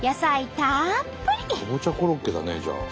かぼちゃコロッケだねじゃあ。